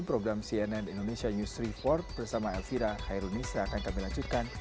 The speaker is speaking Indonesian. program cnn indonesia news tiga empat bersama elvira khairunis akan kami lanjutkan